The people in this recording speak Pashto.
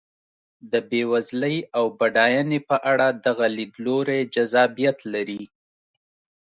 د بېوزلۍ او بډاینې په اړه دغه لیدلوری جذابیت لري.